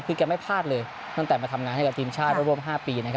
คือแกไม่พลาดเลยตั้งแต่มาทำงานให้กับทีมชาติร่วม๕ปีนะครับ